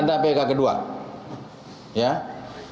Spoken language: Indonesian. tidak pernah diterima dpk umayam